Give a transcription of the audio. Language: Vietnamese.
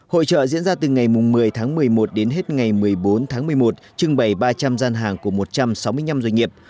hội trợ diễn ra từ ngày một mươi tháng một mươi một đến hết ngày một mươi bốn tháng một mươi một trưng bày ba trăm linh gian hàng của một trăm sáu mươi năm doanh nghiệp